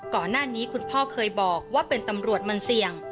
ก่อนหน้านี้คุณพ่อเคยบอกว่าเป็นตำรวจมันเสี่ยง